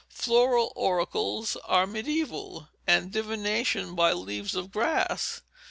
Flower oracles are mediæval, and divination by leaves of grass.